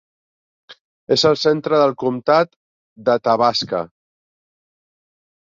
És el centre del comtat d'Athabasca.